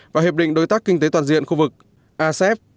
và hiệp định đối tác kinh tế toàn diện khu vực asep